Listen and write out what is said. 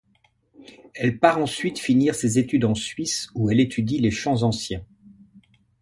Elle part ensuite finir ses études en Suisse, où elle étudie les chants anciens.